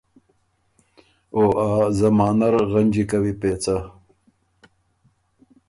او ا زمانۀ ر غنجی کوی پېڅه“